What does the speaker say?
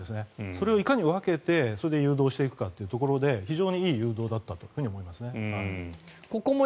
それをいかに分けてそれで誘導していくかというところで非常にいい誘導だったと思いますね。